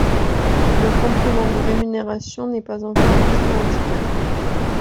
Le complément de rémunération n'est pas encore entré en vigueur.